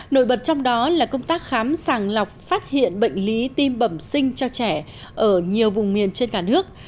nổi bật trong đó là công tác khám sàng lọc phát hiện bệnh lý tim bẩm sinh cho trẻ ở nhiều vùng miền trên cả nước